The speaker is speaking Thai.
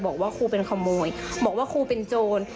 บอกว่าครูเป็นขโมยบอกว่าครูเป็นโจร